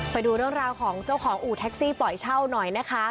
ไปดูเรื่องราวของเจ้าของอู่แท็กซี่ปล่อยเช่าหน่อยนะคะ